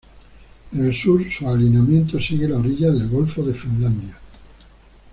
En el sur su alineamiento sigue la orilla del Golfo de Finlandia.